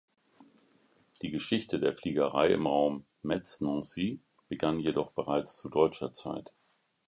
Die Geschichte der Fliegerei im Raum Metz-Nancy begann jedoch bereits zu deutscher Zeit.